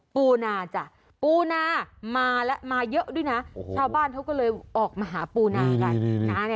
ปูนาจ้ะปูนามาแล้วมาเยอะด้วยนะชาวบ้านเขาก็เลยออกมาหาปูนากัน